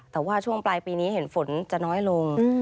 แต่ว่าช่วงปลายปีนี้เห็นฝนจะน้อยลง